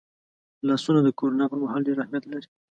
لاسونه د کرونا پرمهال ډېر اهمیت لري